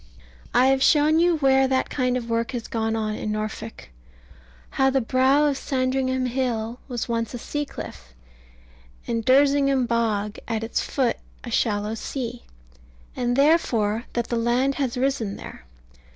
I have shown you where that kind of work has gone on in Norfolk; how the brow of Sandringham Hill was once a sea cliff, and Dersingham Bog at its foot a shallow sea; and therefore that the land has risen there.